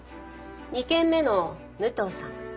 ２件目の武藤さん